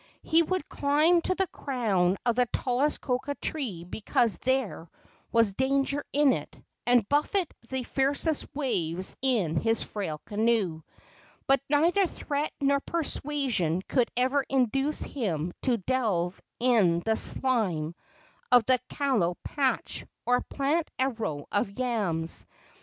He would climb to the crown of the tallest cocoa tree because there was danger in it, and buffet the fiercest waves in his frail canoe; but neither threat nor persuasion could ever induce him to delve in the slime of the kalo patch or plant a row of yams.